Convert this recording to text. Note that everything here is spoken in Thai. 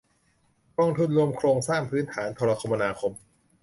กองทุนรวมโครงสร้างพื้นฐานโทรคมนาคม